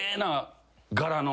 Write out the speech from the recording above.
柄の。